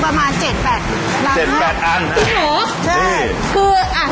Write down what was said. วันหนึ่งประมาณ๗๘รัง